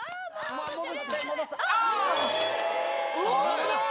・危ない！